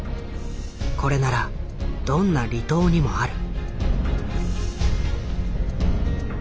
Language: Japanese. これならどんな離島にもある。